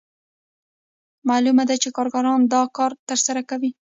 معلومه ده چې کارګران دا کار ترسره کوي